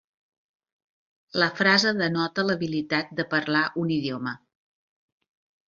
La frase denota l'habilitat de parlar un idioma.